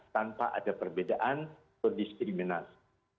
tanpa ada perbedaan atau diskriminasi